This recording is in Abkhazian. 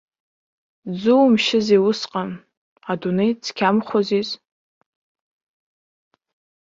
Дзумшьызеи усҟан, адунеи цқьамхозиз!